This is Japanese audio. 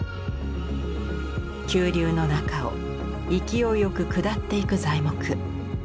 急流の中を勢いよく下っていく材木。